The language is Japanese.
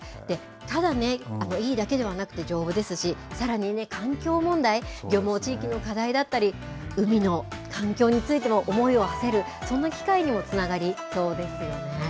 ただね、いいだけではなくて丈夫ですし、さらに環境問題漁網、地域の課題だったり海の環境についての思いをはせる、そんな機会にもつながりそうですよね。